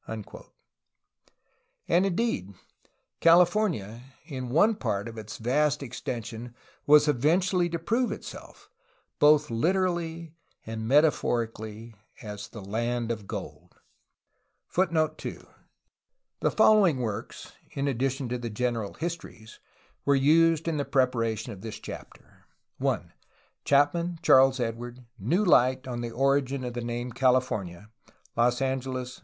ORIGIN AND APPLICATION OF THE NAME CALIFORNIA 69 And, indeed, California in one part of its vast extension was eventually to prove itself, both literally and metaphorically, ^'the land of gold/' ^ ^The following works (in addition to the general histories) were used in the preparation of this chapter: 1. Chapman, Charles Edward. iVcio light on the origin of the name California (Los Angeles.